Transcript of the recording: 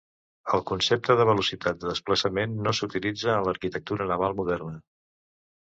El concepte de velocitat de desplaçament no s'utilitza en l'arquitectura naval moderna.